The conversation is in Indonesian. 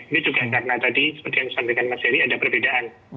ini juga karena tadi seperti yang disampaikan mas heri ada perbedaan